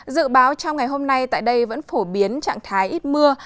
dự báo trong ngày hôm nay tại đây vẫn phổ biến trạng thái ít mưa